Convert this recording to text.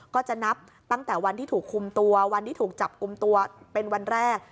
ก็จะนับตั้งแต่วันที่ถูกคุมตัววันที่ถูกจับกลุ่มตัวเป็นวันแรก